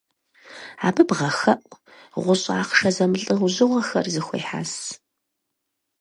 Абы бгъэхэӏу, гъущӏ ахъшэ зэмылӏэужьыгъуэхэр зэхуехьэс.